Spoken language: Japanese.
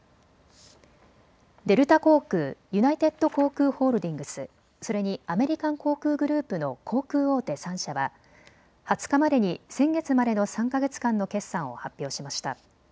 デルタ航空、ユナイテッド航空ホールディングス、それにアメリカン航空グループの航空大手３社は２０日までに先月までの３か月間の決算を発表しました。